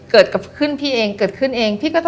เกิดขึ้นพี่เองเกิดขึ้นเอง